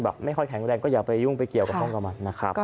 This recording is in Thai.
แบบไม่ค่อยแข็งแรงก็อย่าไปยุ่งไปเกี่ยวกับมันนะครับก็